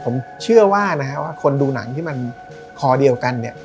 ผมเชื่อว่าคนดูหนังที่มันคอเดียวกัน